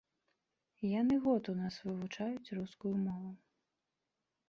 Яны год у нас вывучаюць рускую мову.